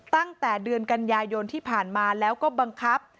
ตั้งแต่เดือนกันยายนที่ผ่านมาแล้วก็บังคับ